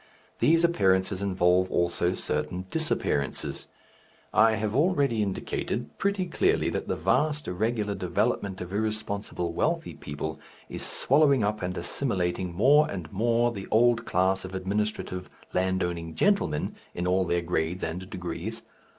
These appearances involve also certain disappearances. I have already indicated pretty clearly that the vast irregular development of irresponsible wealthy people is swallowing up and assimilating more and more the old class of administrative land owning gentlemen in all their grades and degrees.